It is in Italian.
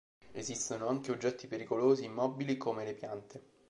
Esistono anche oggetti pericolosi immobili, come le piante.